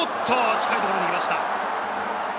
近いところに行きました。